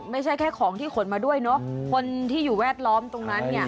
ไม่ใช่แค่ของที่ขนมาด้วยเนอะคนที่อยู่แวดล้อมตรงนั้นเนี่ย